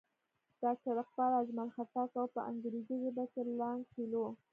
ډاکټر اقبال، اجمل خټک او پۀ انګريزي ژبه کښې لانګ فيلو